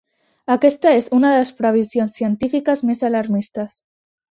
Aquesta és una de les previsions científiques més alarmistes.